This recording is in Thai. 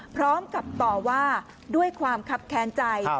พร้อมกับต่อว่าด้วยความคับแค้นใจ